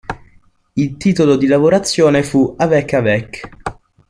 Il titolo di lavorazione fu "Avec-Avec".